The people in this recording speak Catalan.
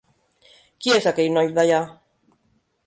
Qui és aquell noi dallà?